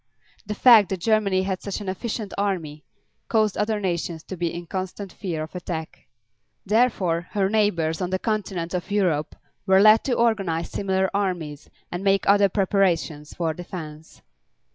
The fact that Germany had such an efficient army caused other nations to be in constant fear of attack. Therefore her neighbors on the continent of Europe were led to organize similar armies and make other preparations for defense.